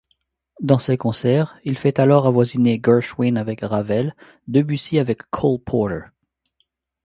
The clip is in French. Dans ses concerts, il fait alors avoisiner Gershwin avec Ravel, Debussy avec Cole Porter.